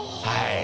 はい。